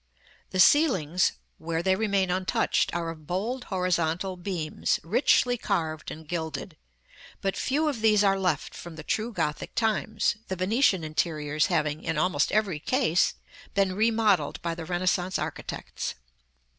The ceilings, where they remain untouched, are of bold horizontal beams, richly carved and gilded; but few of these are left from the true Gothic times, the Venetian interiors having, in almost every case, been remodelled by the Renaissance architects.